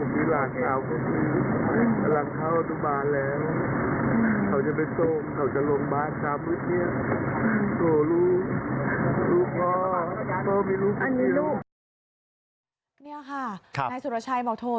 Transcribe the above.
นี่ค่ะนายสุรชัยบอกโทร